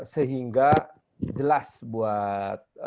sehingga jelas buat